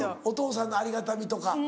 お父さんのありがたみとか。